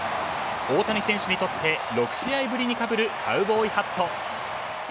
大谷選手にとって６試合ぶりにかぶるカウボーイハット。